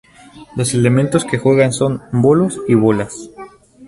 Los elementos que juegan son: bolos y bolas.